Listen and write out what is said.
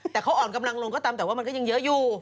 แต่เขาอ่อนกำลังลงก็ตามแต่ว่ามันก็ยังเยอะอยู่